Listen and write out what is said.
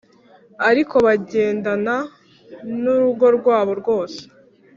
ariko bagendana n’urugo rwabo rwose!